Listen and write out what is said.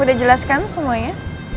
udah jelas kan semuanya